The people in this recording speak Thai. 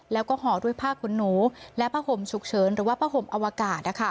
แล้วก็ห่อด้วยผ้าขนหนูและผ้าห่มฉุกเฉินหรือว่าผ้าห่มอวกาศ